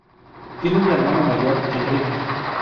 Tiene un hermano mayor, Enrique.